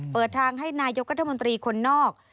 เปิดทางให้นายกรัฐมนตรีคนนอก